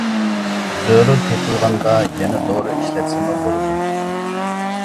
زۆرۈر تېپىلغاندا يەنە دورا ئىشلەتسىمۇ بولىدۇ.